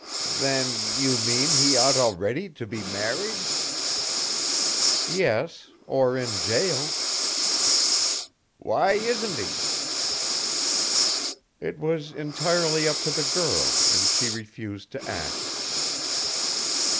"Then you mean he ought already to be married?" "Yes, or in jail." "Why isn't he?" "It was entirely up to the girl and she refused to act."